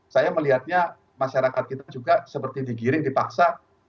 saya melihatnya masyarakat kita juga seperti digiring dipaksa